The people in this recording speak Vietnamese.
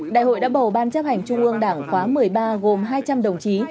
đại hội đã bầu ban chấp hành trung ương đảng khóa một mươi ba gồm hai trăm linh đồng chí